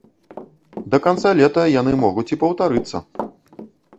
Да канца лета яны могуць і паўтарыцца.